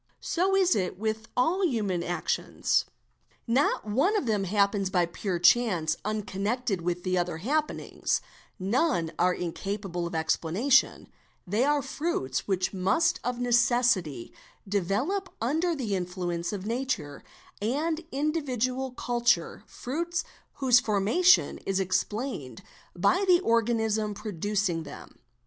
So is it with all human AA CRI | RAS AT 6 TE MN 54 EXAMINATION OF WITNESSES actions ; not one of them happens by pure chance unconnected with other | happenings, none are incapable of explanation; they are fruits which must of necessity develop under the influence of nature and individual culture, fruits whose formation is explained by the organism producing them.